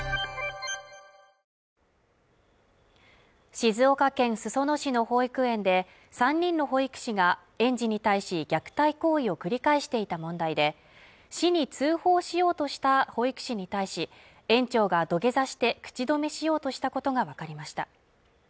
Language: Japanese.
静岡県裾野市の保育園で３人の保育士が園児に対し虐待行為を繰り返していた問題で市に通報しようとした保育士に対し園長が土下座して口止めしようとしたことが分かりました